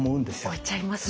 置いちゃいますね。